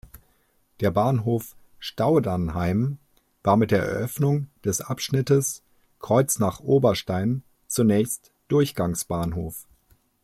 Der Bahnhof "Staudernheim" war mit der Eröffnung des Abschnittes Kreuznach–Oberstein zunächst Durchgangsbahnhof.